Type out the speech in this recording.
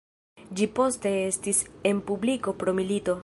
Ĝi poste estis en publiko pro milito.